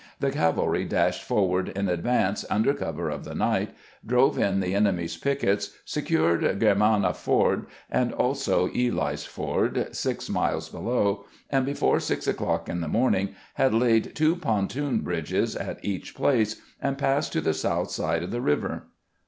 The cavalry dashed forward in advance under cover of the night, drove in the enemy's pickets, secured Grermanna Ford, and also Ely's Ford, six miles below, and before six o'clock in the morning had laid two pontoon bridges at each place, and passed to the south side of the river.